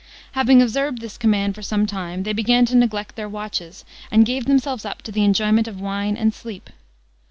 Having observed this command for some time, they began to neglect their watches, and gave themselves up to the enjoyment of wine and sleep.